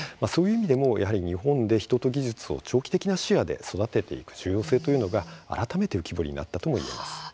そういう意味でもやはり日本で人と技術を長期的な視野で育てていく重要性というのが改めて浮き彫りになったともいえます。